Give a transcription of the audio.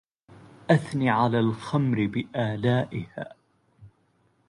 أثن على الخمر بآلائها